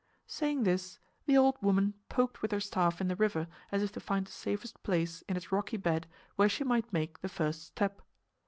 Saying this, the old woman poked with her staff in the river as if to find the safest place in its rocky bed where she might make the first step.